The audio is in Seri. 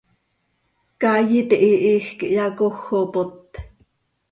Caay iti hihiij quih hyacójopot.